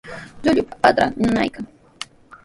Llullupa patranmi nanaykan.